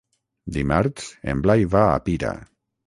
Dimarts en Blai va a Pira.